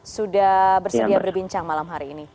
sudah bersedia berbincang malam hari ini